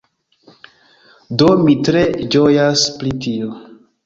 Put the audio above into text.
Do, mi tre ĝojas pri tio